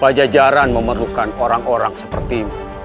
paja jaran memerlukan orang orang seperti